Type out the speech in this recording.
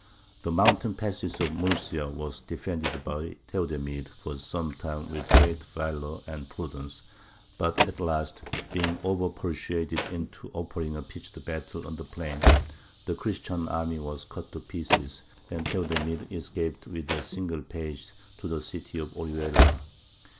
The mountain passes of Murcia were defended by Theodemir for some time with great valour and prudence; but at last, being over persuaded into offering a pitched battle on the plain, the Christian army was cut to pieces, and Theodemir escaped with a single page to the city of Orihuela.